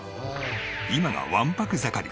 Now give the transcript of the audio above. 今がわんぱく盛り！